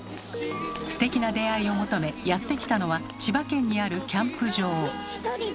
ステキな出会いを求めやって来たのは千葉県にあるキャンプ場。